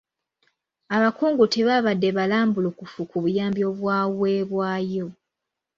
Abakungu tebaabadde balambulukufu ku buyambi obwaweebwayo.